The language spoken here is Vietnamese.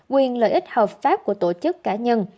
quyền lợi ích hợp pháp của tổ chức cá nhân